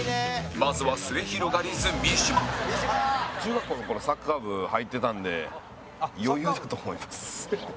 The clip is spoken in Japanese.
まずは中学校の頃サッカー部入ってたんで余裕だと思います。